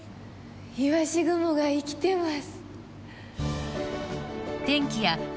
いわし雲が生きてます。